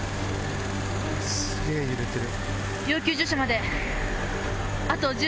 すげぇ揺れてる。